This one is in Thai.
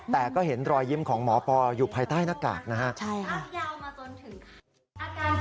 แต่ก็เห็นรอยยิ้มของหมอปอร์อยู่ภายใต้หน้ากากนะฮะ